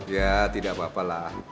ya tidak apa apa